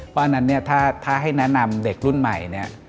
เพราะฉะนั้นถ้าให้แนะนำเด็กรุ่นใหม่